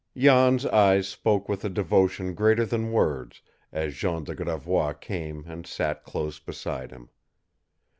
Jan's eyes spoke with a devotion greater than words as Jean de Gravois came and sat close beside him.